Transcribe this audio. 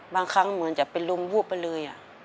บางครั้งเหมือนจะเป็นลมวูบไปเลย